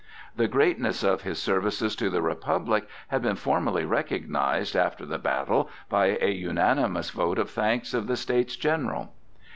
The greatness of his services to the Republic had been formally recognized after that battle by a unanimous vote of thanks of the States General.